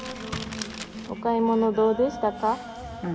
お買い物どうでしたか？